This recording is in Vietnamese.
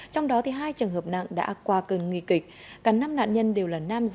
trong đó hai trường hợp nặng đã qua cơn nguy kịch cả năm nạn nhân đều là nam giới